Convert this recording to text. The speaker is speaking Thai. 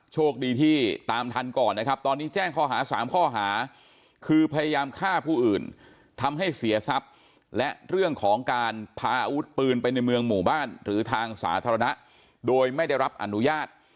โชคดีที่ตามทันก่อนนะครับตอนนี้แจ้งข้อหา๓ข้อหาคือพยายามฆ่าผู้อื่นทำให้เสียทรัพย์และเรื่องของการพาอาวุธปืนไปในเมืองหมู่บ้านหรือทางสาธารณะโดยไม่ได้รับอนุญาต